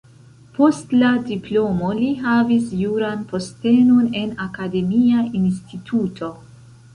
Post la diplomo li havis juran postenon en akademia instituto.